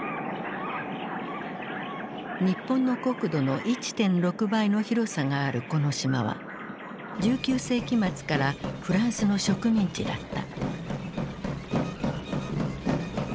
日本の国土の１．６倍の広さがあるこの島は１９世紀末からフランスの植民地だった。